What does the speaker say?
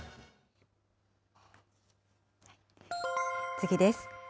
次です。